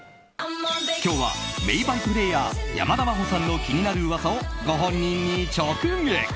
今日は名バイプレーヤー山田真歩さんの気になる噂をご本人に直撃。